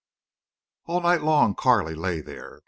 All night long Carley lay there.